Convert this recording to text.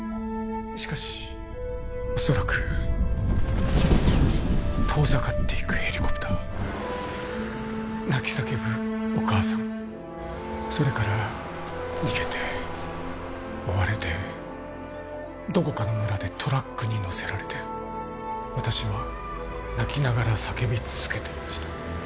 しかし恐らく遠ざかっていくヘリコプター泣き叫ぶお母さんそれから逃げて追われてどこかの村でトラックに乗せられて私は泣きながら叫び続けていました